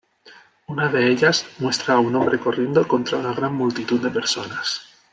Una de ellas muestra a un hombre corriendo contra una gran multitud de personas.